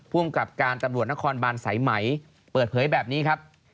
ภูมิกับการตำรวจนครบานสายไหมเปิดเผยแบบนี้ครับ